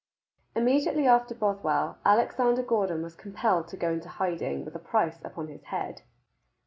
Immediately after Bothwell, Alexander Gordon was compelled to go into hiding with a price upon his head.